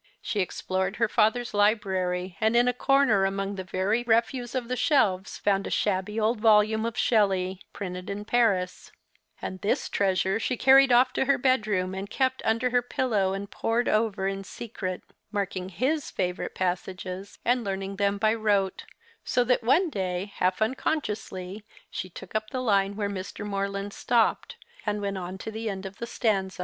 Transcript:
She explored her father's library, and in a corner among the very refuse of the shelves found a shabby old volume of Shelley, printed in Paris ; and this treasure she carried off to her bedroom and kept under her pillow and pored over in secret, marking his favourite passages and learning them by rote ; so that one day, half unconsciously, she took up the line where ^h. ]\[orland stopped, and went on to the en(l of the stanza.